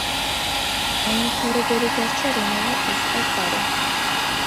დაუმთავრებელი დარჩა რომანი„უსტა კარო“.